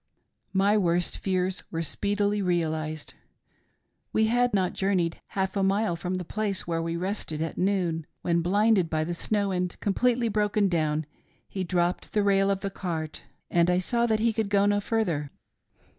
My worst fears were speedily realised. We had not journeyed half a mile from the place where we rested at noon, when, blinded by the snow, and completely broken down, he dropped the rail of the cart, and I saw that he could go no further.